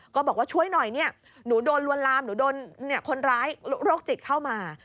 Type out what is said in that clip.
ก็บอกว่าช่วยหน่อยเนี่ยหนูโดนลวนลามหนูโดนคนร้ายโรคจิตเข้ามา